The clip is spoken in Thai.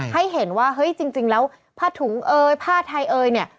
ให้เห็นว่าเฮ้ยจริงแล้วผ้าถุงเอยผ้าไทยเอยเนี่ย